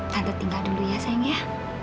tante tinggal dulu ya sayang ya